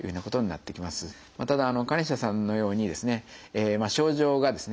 ただ鐘下さんのようにですね症状がですね